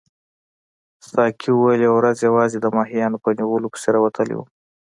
ساقي وویل یوه ورځ یوازې د ماهیانو په نیولو پسې راوتلی وم.